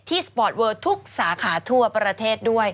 สปอร์ตเวอร์ทุกสาขาทั่วประเทศด้วย